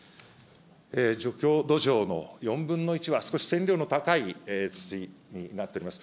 除去土壌の４分の１は少し線量の高い土になっております。